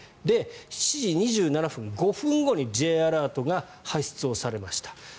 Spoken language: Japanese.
７時２７分、５分後にＪアラートが発出されました。